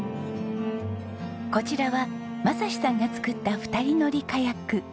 こちらは雅士さんが作った２人乗りカヤック。